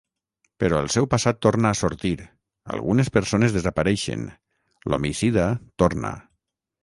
Però el seu passat torna a sortir: algunes persones desapareixen, l'homicida torna.